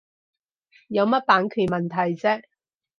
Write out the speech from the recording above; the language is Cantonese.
有乜版權問題啫